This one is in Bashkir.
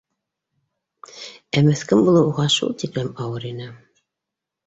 Ә меҫкен булыу уга шул тиклем ауыр ине.